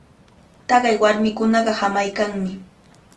Taqay warmikunaqa hamaykanmi.